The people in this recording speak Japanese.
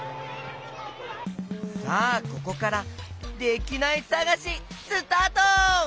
さあここからできないさがしスタート！